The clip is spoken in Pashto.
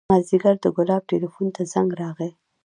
مازديګر د ګلاب ټېلفون ته زنګ راغى.